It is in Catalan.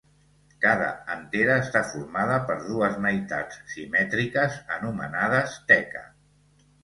Cada antera està formada per dues meitats simètriques anomenades teca.